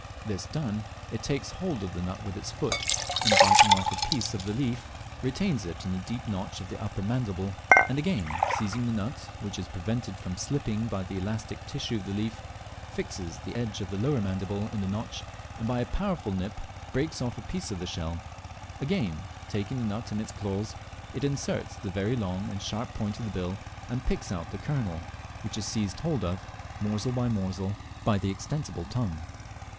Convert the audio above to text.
This done, it takes hold of the nut with its foot, and biting off a piece of leaf retains it in the deep notch of the upper mandible, and again seizing the nut, which is prevented from slipping by the elastic tissue of the leaf, fixes the edge of the lower mandible in the notch, and by a powerful nip breaks of a piece of the shell, again taking the nut in its claws, it inserts the very long and sharp point of the bill and picks out the kernel, which is seized hold of, morsel by morsel, by the extensible tongue.